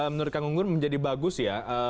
menurut kang unggun menjadi bagus ya